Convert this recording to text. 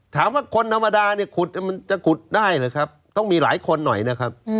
ถามว่าคนธรรมดาเนี่ยขุดมันจะขุดได้หรือครับต้องมีหลายคนหน่อยนะครับ